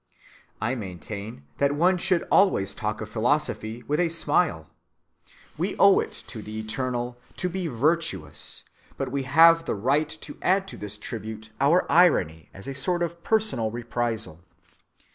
I maintain that one should always talk of philosophy with a smile. We owe it to the Eternal to be virtuous; but we have the right to add to this tribute our irony as a sort of personal reprisal.